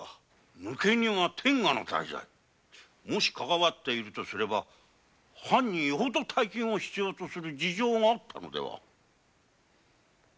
抜け荷は天下の大罪もしかかわっているとすれば藩によほど大金を必要とする事情でもあったのでは？